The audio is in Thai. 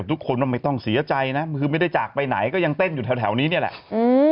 ทุกคนว่าไม่ต้องเสียใจนะคือไม่ได้จากไปไหนก็ยังเต้นอยู่แถวแถวนี้นี่แหละอืม